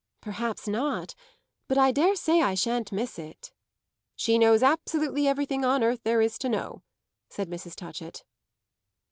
"Perhaps not. But I dare say I shan't miss it." "She knows absolutely everything on earth there is to know," said Mrs. Touchett.